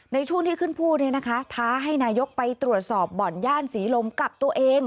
ในช่วงที่ขึ้นพูดท้าให้นายกไปตรวจสอบบ่อนย่านศรีลมกับตัวเอง